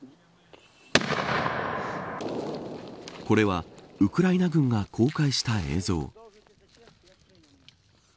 これはウクライナ軍が公開した映像。